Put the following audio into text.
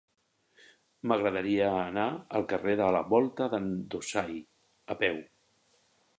M'agradaria anar al carrer de la Volta d'en Dusai a peu.